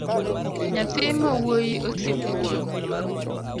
Nyathi mawuoyi osiep wuon